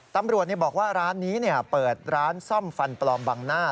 ตำรวจบอกว่าร้านนี้เปิดร้านซ่อมฟันปลอมบังหน้า